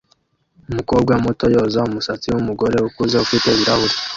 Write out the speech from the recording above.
Umukobwa muto yoza umusatsi wumugore ukuze ufite ibirahure